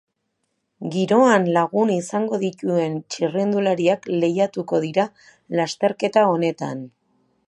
Giroan lagun izango dituen txirrindulariak lehiatuko dira lesterketa honetan.